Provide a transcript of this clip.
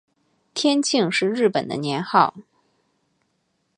天庆是日本的年号。